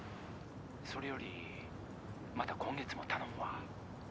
「それよりまた今月も頼むわ」